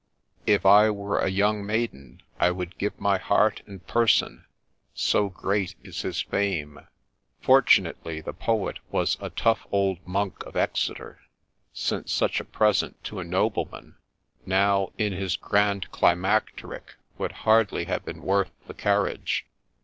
' If I were a young maiden, I would give my heart and person, So great is his fame 1 ' Fortunately the poet was a tough old monk of Exeter ; since such a present to a nobleman, now in his grand climacteric, would hardly have been worth the carriage.